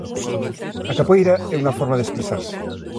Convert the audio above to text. A capoeira é unha forma de expresarse.